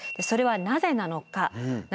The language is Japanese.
それはなぜなのか。